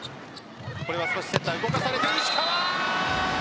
これは少しセッター動かされた。